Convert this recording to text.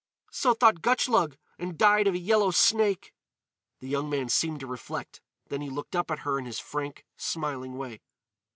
"So thought Gutchlug. And died of a yellow snake." The young man seemed to reflect. Then he looked up at her in his frank, smiling way.